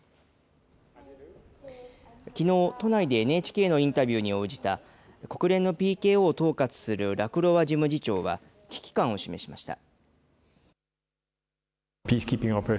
きのう、都内でＮＨＫのインタビューに応じた、国連のＰＫＯを統括するラクロワ事務次長は危機感を示しました。